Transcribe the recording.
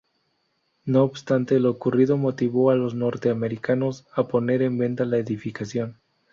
No obstante, lo ocurrido motivó a los norteamericanos a poner en venta la edificación.